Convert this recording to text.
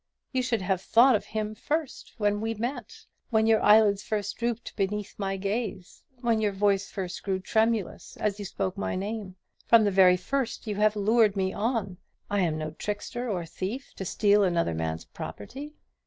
You should have thought of him when we first met; when your eyelids first drooped beneath my gaze; when your voice first grew tremulous as you spoke my name. From the very first you have lured me on. I am no trickster or thief, to steal another man's property.